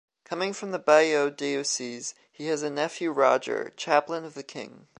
Coming from the Bayeux diocese, he has a nephew Roger, chaplain of the king.